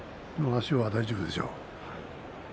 足は大丈夫でしょう